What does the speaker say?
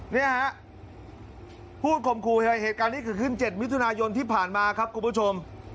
เนี่ยฮะพูดข่มขู่เหตุการณ์นี้เกิดขึ้น๗มิถุนายนที่ผ่านมาครับคุณผู้ชม